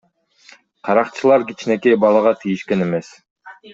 Каракчылар кичинекей балага тийишкен эмес.